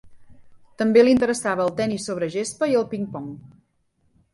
També li interessava el tenis sobre gespa i el ping-pong.